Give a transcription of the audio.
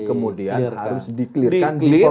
kemudian harus di clearkan di forum angket itu